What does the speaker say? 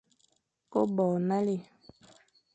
Ke bo nale,